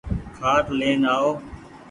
کآٽ لين آئو۔